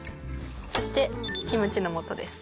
そしてキムチの素です。